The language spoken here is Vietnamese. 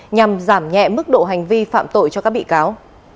nhằm giảm nhẹ mức độ hành vi phạm tội cho các bị cáo